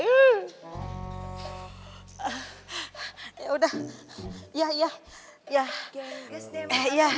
gengges deh makanya